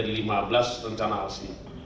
dari lima belas rencana aksi